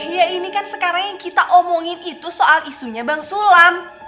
ya ini kan sekarang yang kita omongin itu soal isunya bang sulam